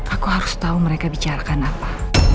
aku harus tahu mereka bicarakan apa